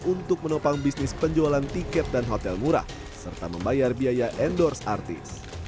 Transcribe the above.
untuk menopang bisnis penjualan tiket dan hotel murah serta membayar biaya endorse artis